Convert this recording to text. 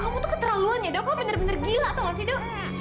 kamu tuh keterlaluan edo kamu bener bener gila tau gak sih edo